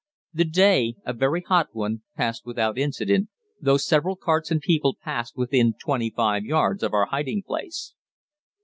The day, a very hot one, passed without incident, though several carts and people passed within 25 yards of our hiding place.